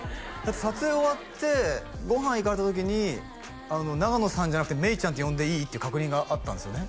撮影終わってご飯行かれた時に「永野さんじゃなくて芽郁ちゃんって呼んでいい？」って確認があったんですよね？